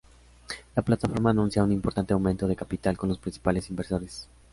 La plataforma anuncia un importante aumento de capital con los principales inversores.